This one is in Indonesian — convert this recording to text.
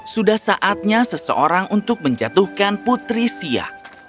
sudah saatnya seseorang untuk menjatuhkan putri sia